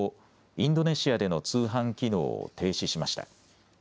インドネシアでの通販機能を停止しました。